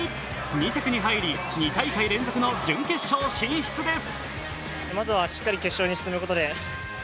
２着に入り、２大会連続の準決勝進出です。